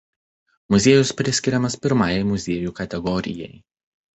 Muziejus priskiriamas pirmajai muziejų kategorijai.